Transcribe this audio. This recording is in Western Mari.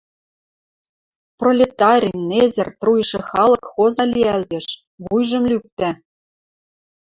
Пролетари, незер, труйышы халык хоза лиӓлтеш, вуйжым лӱктӓ